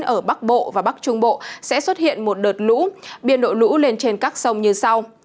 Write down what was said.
ở bắc bộ và bắc trung bộ sẽ xuất hiện một đợt lũ biên độ lũ lên trên các sông như sau